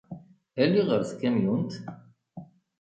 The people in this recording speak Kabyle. Ali ɣer tkamyunt!